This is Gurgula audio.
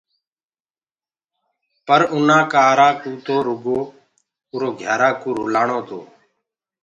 پر اُنآ ڪآرآ ڪوُ تو روگو اُرو گھيارا ڪوُ رلآڻو تو۔